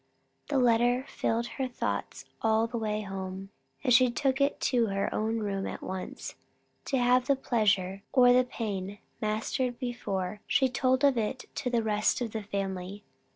The letter filled her thoughts all the way home; and she took it to her own room at once, to have the pleasure, or the pain, mastered before she told of it to the rest of the family.